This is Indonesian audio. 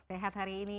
sehat hari ini